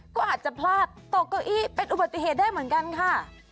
ก็อาจจะพลาดตกเก้าอี้เป็นอุบัติเหตุได้เหมือนกันค่ะ